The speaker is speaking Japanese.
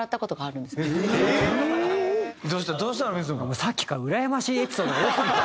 もうさっきからうらやましいエピソードが多すぎて。